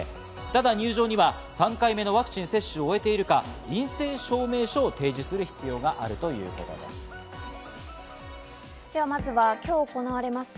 ただ入場には３回目のワクチン接種を終えているか、陰性証明書を提示する必要があるということです。